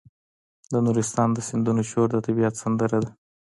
د نورستان د سیندونو شور د طبیعت سندره ده.